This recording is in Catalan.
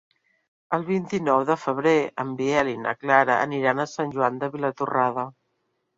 El vint-i-nou de febrer en Biel i na Clara aniran a Sant Joan de Vilatorrada.